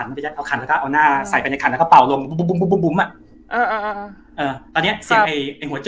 แล้วก็เอาหน้าใส่ไปใคร่แล้วก็เป่าลงลงอ่ะ